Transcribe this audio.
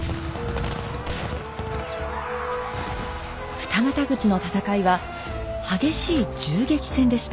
二股口の戦いは激しい銃撃戦でした。